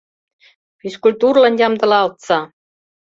Физкультурлан ямдылалтса!